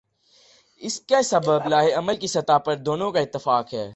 اس کا سبب لائحہ عمل کی سطح پر دونوں کا اتفاق ہے۔